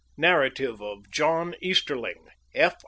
NARRATIVE OF JOHN EASTERLING, F.